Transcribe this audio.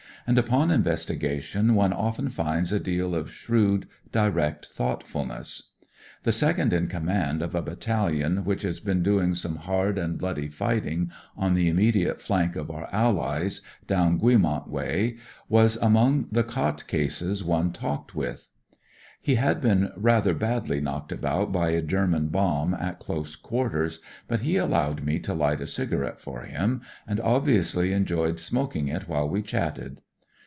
And upon investigation one often finds a deal of shrewd, direct thoughtfulness. The second in command of a battalion which has been doing some hard and bloody fighting on the immediate flank of our Allies, down Guillemont way, was among the cot cases one talked with. u 163 !:i 166 A COOL CANADIAN 1 ,1 i! !)! He had been rather badly knocked about by a German bomb at dose quarters, but he allowed me to light a cigarette for him, and obviously enjoyed smoking it while we chatted.